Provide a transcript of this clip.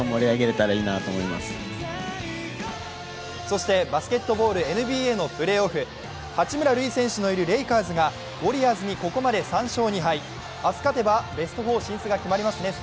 そしてバスケットボールＮＢＡのプレーオフ、八村塁選手のいるレイカーズがウォリアーズにここまで３勝２敗、明日勝てばベスト４進出が決まりますね。